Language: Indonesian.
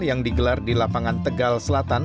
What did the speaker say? yang digelar di lapangan tegal selatan